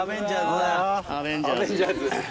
アベンジャーズだよ。